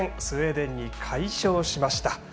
スウェーデンに快勝しました。